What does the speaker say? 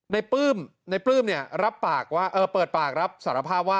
ในปลื้มในปลื้มเนี่ยรับปากว่าเออเปิดปากรับสารภาวะ